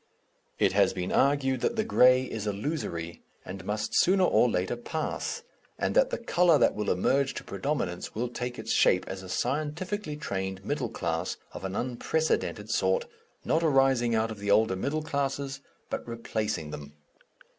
It has been argued that the grey is illusory and must sooner or later pass, and that the colour that will emerge to predominance will take its shape as a scientifically trained middle class of an unprecedented sort, not arising out of the older middle classes, but replacing them.